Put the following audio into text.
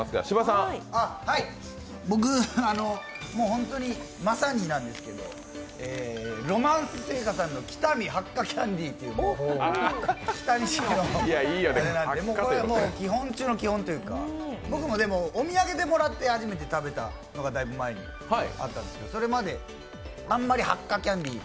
本当にまさになんですけれどもロマンス製菓さんの北見ハッカキャンディという、北見市の、これはもう基本中の基本というか僕もお土産でもらって初めて食べたというのがだいぶ前にあったんですけど、それまであんまりハッカキャンディー